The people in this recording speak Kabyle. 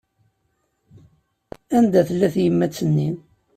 Anda tella tyemmat-nni?